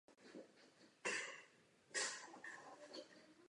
V civilním sektoru byl využíván pro různé speciální nástavby.